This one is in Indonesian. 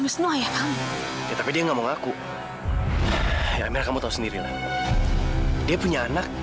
sampai jumpa di video selanjutnya